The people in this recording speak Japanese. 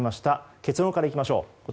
結論から行きましょう。